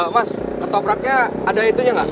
mas ketopraknya ada itunya nggak